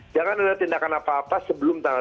jangan ada tindakan apa apa sebelum tanggal dua puluh satu